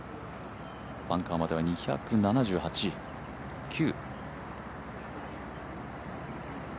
バンカーまでは２７９。